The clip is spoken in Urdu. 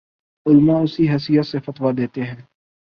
علما اسی حیثیت سے فتویٰ دیتے ہیں